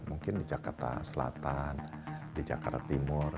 mungkin di jakarta selatan di jakarta timur